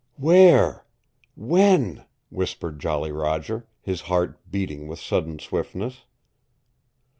"Where? When?" whispered Jolly Roger, his heart beating with sudden swiftness.